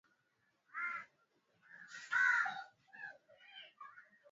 Nakuhitaji hallelujah